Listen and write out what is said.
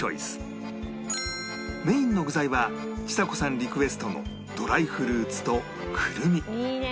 メインの具材はちさ子さんリクエストのドライフルーツとクルミ